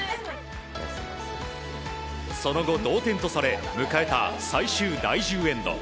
その後、同点とされ迎えた最終第１０エンド。